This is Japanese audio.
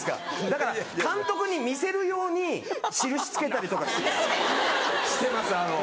だから監督に見せる用に印つけたりとかしてます。